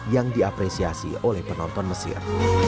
yang diapresiasi oleh penonton mesir